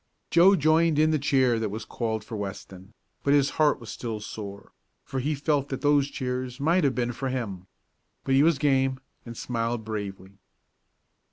Joe joined in the cheer that was called for Weston, but his heart was still sore, for he felt that those cheers might have been for him. But he was game, and smiled bravely.